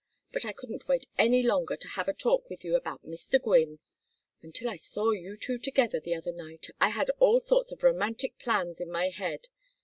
But I couldn't wait any longer to have a talk with you about Mr. Gwynne. Until I saw you two together the other night I had all sorts of romantic plans in my head.